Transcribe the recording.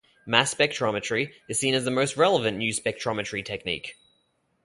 Mass spectrometry is seen as the most relevant new spectrometry technique.